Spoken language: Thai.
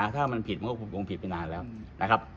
ถ้ามันผิดมันก็คงผิดไปนานแล้วนะครับ